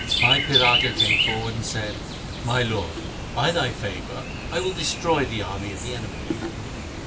Bhai Piraga came forward and said, ' My Lord, by thy favour I will destroy the army of the enemy.'